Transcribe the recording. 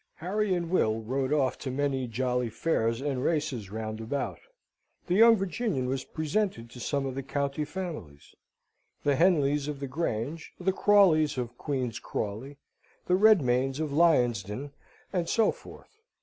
Harry and Will rode off to many jolly fairs and races round about the young Virginian was presented to some of the county families the Henleys of the Grange, the Crawleys of Queen's Crawley, the Redmaynes of Lionsden, and so forth.